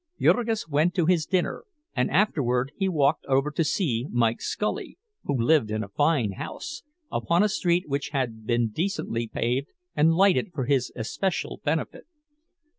Jurgis went to his dinner, and afterward he walked over to see Mike Scully, who lived in a fine house, upon a street which had been decently paved and lighted for his especial benefit.